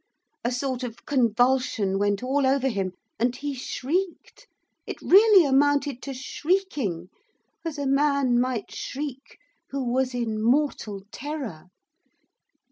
a sort of convulsion went all over him, and he shrieked it really amounted to shrieking as a man might shriek who was in mortal terror.